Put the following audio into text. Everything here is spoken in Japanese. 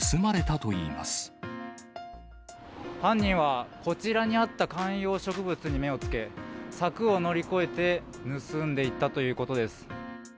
犯人は、こちらにあった観葉植物に目をつけ、柵を乗り越えて盗んでいったということです。